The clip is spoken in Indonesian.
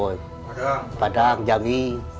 padang padang jambi